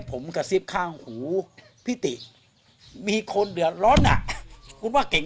ผมกระซิบข้างหูพี่ติมีคนเดือดร้อนอ่ะคุณว่าเก่ง